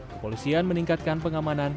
kepolisian meningkatkan pengamanan